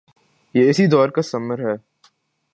یہ اسی دور کا ثمر ہے۔